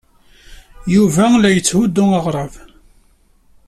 Yuba la yetthuddu aɣrab.